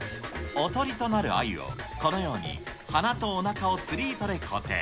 おとりとなるあゆをこのように鼻とおなかを釣り糸で固定。